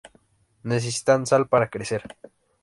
Necesitan sal para crecer.